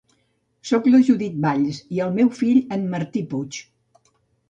Soc la Judit Valls i el meu fill en Martí Puig.